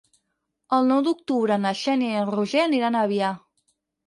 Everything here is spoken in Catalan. El nou d'octubre na Xènia i en Roger aniran a Avià.